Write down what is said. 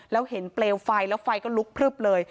แล้วเห็นเปลวไฟแล้วไฟก็ลุกพลึบเลย